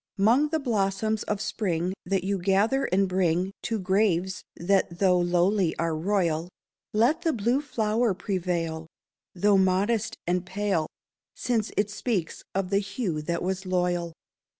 'Mong the blossoms of Spring that you gather and bring To graves that though lowly are royal, Let the blue flower prevail, though modest and pale, Since it speaks of the hue that was loyal.